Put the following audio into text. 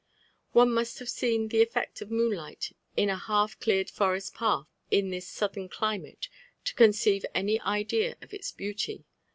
One must have seen the effect of moonlight in a half cleared forest path in this southern climate, to conceive any idea of its beauty.